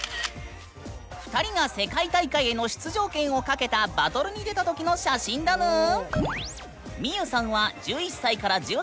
２人が世界大会への出場権を懸けたバトルに出た時の写真だぬん！